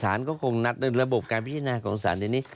ก็คงนัดในระบบการพิจารณาของสารเดี๋ยวนี้